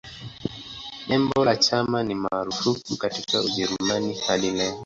Nembo la chama ni marufuku katika Ujerumani hadi leo.